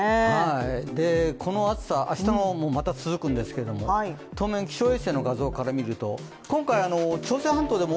この暑さ、明日もまた続くんですけれども当面気象衛星の画像からみると今回、朝鮮半島でも